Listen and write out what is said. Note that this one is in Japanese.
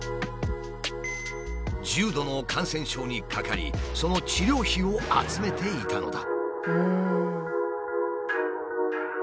重度の感染症にかかりその治療費を集めていたのだ。